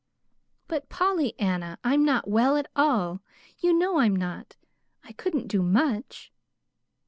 "But, Pollyanna, I'm not well at all you know I'm not. I couldn't do much."